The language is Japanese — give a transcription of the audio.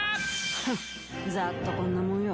フッざっとこんなもんよ。